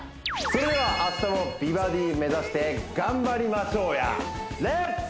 それでは明日も美バディ目指して頑張りましょうやレッツ！